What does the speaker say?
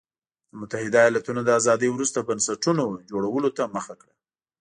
د متحده ایالتونو له ازادۍ وروسته بنسټونو جوړولو ته مخه کړه.